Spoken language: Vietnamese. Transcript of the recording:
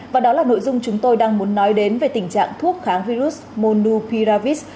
và đó là nội dung chúng tôi đang muốn nói đến về tình trạng thuốc kháng virus monupiravis